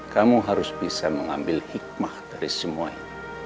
kamu harus bisa mengambil hikmah dari semua ini